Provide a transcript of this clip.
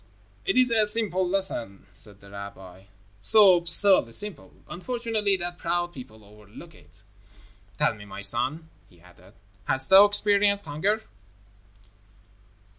"It is a simple lesson," said the rabbi, "so absurdly simple, unfortunately, that proud people overlook it. Tell me, my son," he added. "Hast thou experienced hunger?"